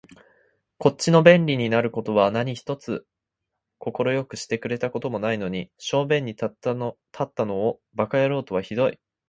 こっちの便利になる事は何一つ快くしてくれた事もないのに、小便に立ったのを馬鹿野郎とは酷い